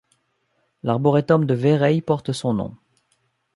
L'arboretum de Verrayes porte son nom.